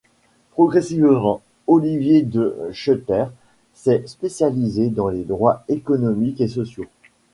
Progressivement, Olivier De Schutter s'est spécialisé dans les droits économiques et sociaux.